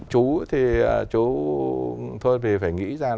chú thì phải nghĩ ra